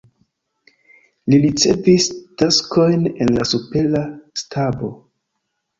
Li ricevis taskojn en la supera stabo.